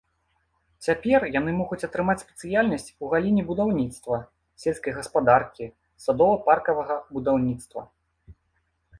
Цяпер яны могуць атрымаць спецыяльнасць ў галіне будаўніцтва, сельскай гаспадаркі, садова-паркавага будаўніцтва.